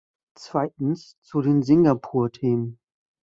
Zweitens, zu den Singapur-Themen.